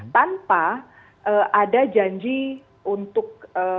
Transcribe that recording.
tanpa ada janji untuk